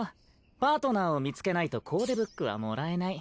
パートナーを見つけないとコーデブックはもらえない。